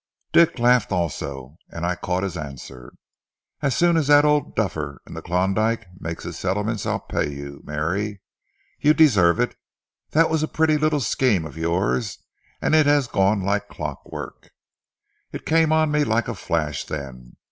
"Dick laughed also, and I caught his answer. 'As soon as that old duffer in the Klondyke makes his settlements I'll pay you, Mary. You deserve it. That was a pretty little scheme of yours, and it has gone like clockwork....' "It came on me like a flash then.